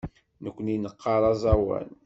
Nekkni neqqar aẓawan.